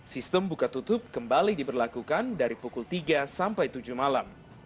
sistem buka tutup kembali diberlakukan dari pukul tiga sampai tujuh malam